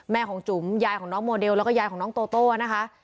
ของจุ๋มยายของน้องโมเดลแล้วก็ยายของน้องโตโต้นะคะ